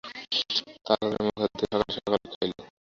তাড়াতাড়ি মুখহাত ধুইয়া সকাল সকাল খাইল।